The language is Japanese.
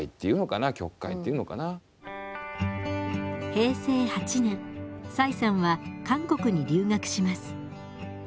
平成８年崔さんは韓国に留学します。